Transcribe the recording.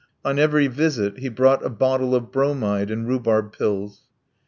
On every visit he brought a bottle of bromide and rhubarb pills.